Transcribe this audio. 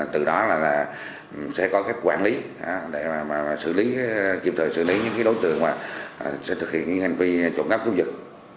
từ đó là sẽ có các quản lý để kiếm thời xử lý những đối tượng sẽ thực hiện những hành vi trộm cắp cấp giật